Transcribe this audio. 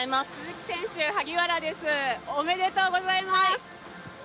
おめでとうございます。